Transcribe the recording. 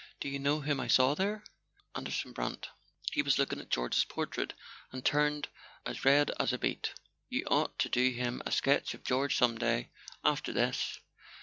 "Do you know whom I saw there? Anderson Brant. He was looking at George's portrait, and turned as red as a beet. You ought to do him a sketch of George some day—after this."